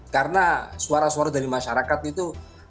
karena suara suara dari masyarakat itu